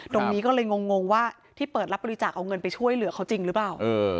ตรงนี้ก็เลยงงว่าที่เปิดรับบริจาคเอาเงินไปช่วยเหลือเขาจริงหรือเปล่า